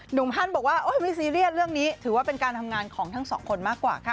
หนุ่มฮันบอกว่าไม่ซีเรียสเรื่องนี้ถือว่าเป็นการทำงานของทั้งสองคนมากกว่าค่ะ